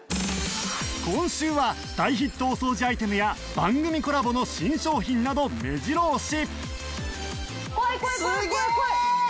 今週は大ヒットお掃除アイテムや番組コラボの新商品などめじろ押し！